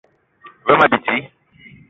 Ve ma bidi